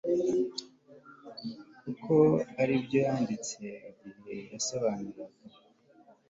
kuko aribyo yanditse, igihe yisobanuraga